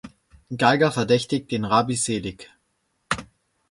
Geiger verdächtigt den Rabbi Seelig.